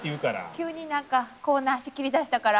急になんかコーナー仕切りだしたから。